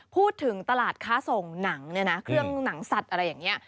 พูดถึงตลาดค้าส่งหนังเนี่ยนะเครื่องหนังสัตว์อะไรอย่างนี้